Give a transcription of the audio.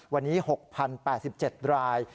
วันนี้๖๐๘๗ราย